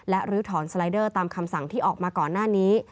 และลื้อถอนสไลเดอร์ตามคำสั่งที่ออกมาก่อนหน้านี้